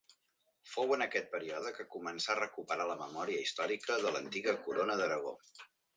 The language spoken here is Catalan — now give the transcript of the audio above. Fou en aquest període que començà a recuperar la memòria històrica de l'antiga Corona d'Aragó.